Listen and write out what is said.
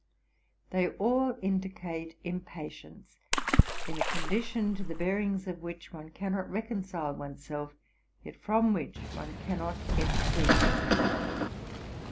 They all indicate impatience in a condition, to the bearings of which one cannot reconcile one's self, yet from which one cannot get free.